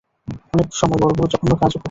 অনেক সময় বড় বড় জঘন্য কাজও করত।